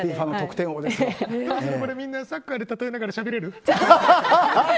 みんなサッカーで例えながらしゃべれる？